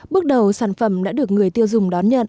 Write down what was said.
bước đầu sản phẩm đã được người tiêu dùng đón nhận